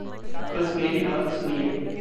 बस मेरी बात सुनिए।